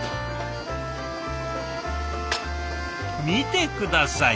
見て下さい。